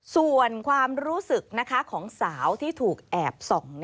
ส่วนความรู้สึกของสาวที่ถูกแอบส่อง